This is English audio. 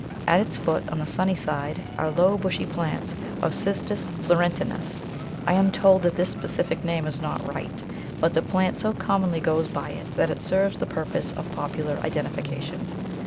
At its foot, on the sunny side, are low bushy plants of Cistus florentinus. I am told that this specific name is not right; but the plant so commonly goes by it that it serves the purpose of popular identification.